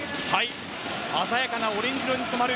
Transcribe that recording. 鮮やかなオレンジ色に染まる